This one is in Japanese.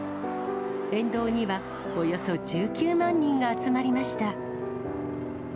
沿道にはおよそ１９万人が集まりました。